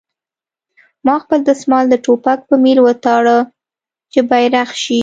ما خپل دسمال د ټوپک په میل وتاړه چې بیرغ شي